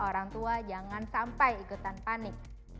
orang tua jangan sampai ikutan panik